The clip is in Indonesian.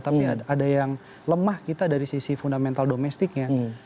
tapi ada yang lemah kita dari sisi fundamental domestiknya